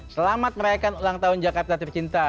selamat merayakan ulang tahun jakarta tercinta